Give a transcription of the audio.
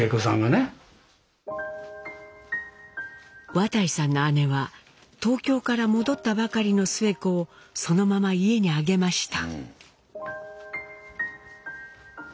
綿井さんの姉は東京から戻ったばかりのスエ子をそのまま家に上げました。